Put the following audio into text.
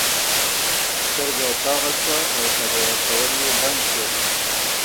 چرګه چاغه شوه او هګۍ اچول یې بند کړل.